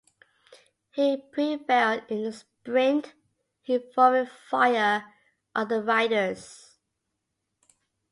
He prevailed in the sprint involving five other riders.